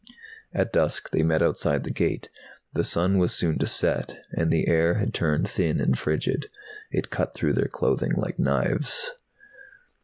At dusk they met outside the gate. The sun was soon to set, and the air had turned thin and frigid. It cut through their clothing like knives.